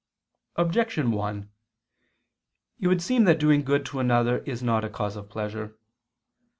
Objection 1: It would seem that doing good to another is not a cause of pleasure.